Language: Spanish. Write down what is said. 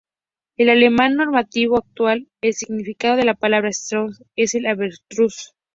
En alemán normativo actual el significado de la palabra "Strauss" es el de avestruz.